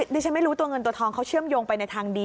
ดิฉันไม่รู้ตัวเงินตัวทองเขาเชื่อมโยงไปในทางดี